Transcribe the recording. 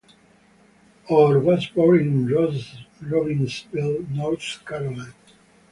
Orr was born in Robbinsville, North Carolina.